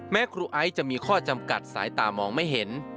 ครูไอซ์จะมีข้อจำกัดสายตามองไม่เห็น